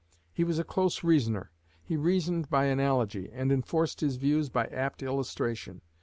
He was a close reasoner. He reasoned by analogy, and enforced his views by apt illustration.